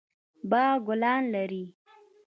باغ ګلان لري